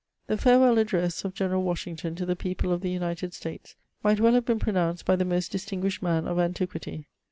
The farewell address of General Washington to the people of the United States might well have been pronounced by the most distinguished man of antiquity.